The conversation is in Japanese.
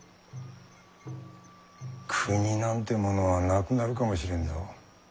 国なんてものはなくなるかもしれんぞ。